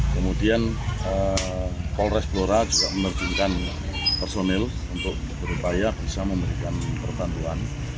kemudian polres blora juga menerjunkan personil untuk berupaya bisa memberikan perbantuan